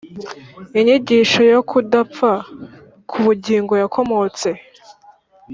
inyigisho y’ukudapfa k’ubugingo yakomotse he?